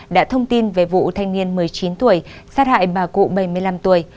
đã thông tin về vụ thanh niên một mươi chín tuổi sát hại bà cụ bảy mươi năm tuổi